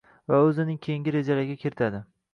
va o‘zining keyingi rejalariga kiritadi.